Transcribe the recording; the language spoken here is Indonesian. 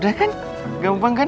udah kan gampang kan